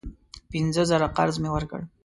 پینځه زره قرض مې ورکړ.